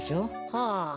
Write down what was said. はあ。